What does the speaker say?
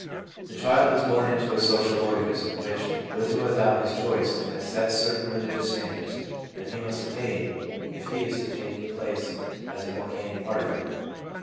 The child is born into a social organism, which, with or without his choice, has set certain re ligious standards that he must attain if he is to take his place as an organic part of it.